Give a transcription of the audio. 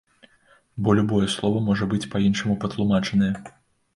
Бо любое слова можа быць па-іншаму патлумачанае.